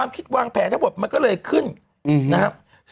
คิดวางแผนทั้งหมดมันก็เลยขึ้นนะครับ